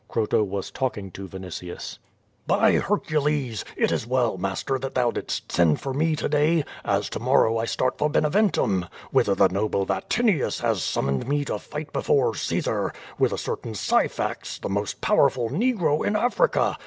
Croto was talking to Yinitius. '^By Hercules! it is well master, that thou didst send for me to day, as to morrow I start for Beneventum, whither the noble Vatinius has summoned me to fight before Caesar^ with a certain Syphax, the most powerful negro in Africa.